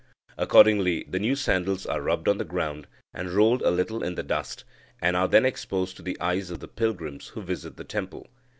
Accordingly the new sandals are rubbed on the ground and rolled a little in the dust, and are then exposed to the eyes of the pilgrims who visit the temple.